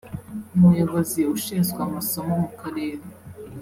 umuyobozi ushinzwe amasomo mu karere